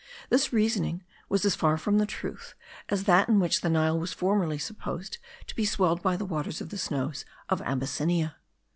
This reasoning was as far from the truth as that in which the Nile was formerly supposed to be swelled by the waters of the snows of Abyssinia.